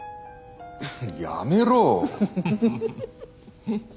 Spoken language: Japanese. やめろ。